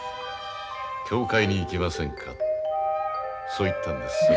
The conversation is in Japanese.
教会に行きませんかそう言ったんです。